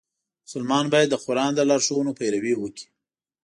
مسلمان باید د قرآن د لارښوونو پیروي وکړي.